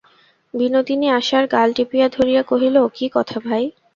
বিনোদিনী আশার গাল টিপিয়া ধরিয়া কহিল, কী কথা, ভাই।